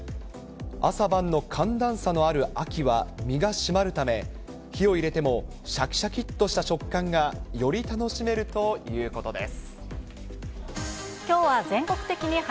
朝晩の寒暖差のある秋は、身がしまるため、火を入れてもしゃきしゃきっとした食感がより楽しめるということです。